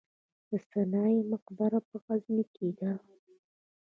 د سنايي مقبره په غزني کې ده